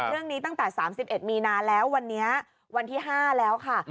เรื่องนี้ตั้งแต่๓๑มีนาแล้ววันที่๕แล้วค่ะ